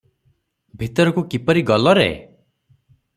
"ଭିତରକୁ କିପରି ଗଲ ରେ?"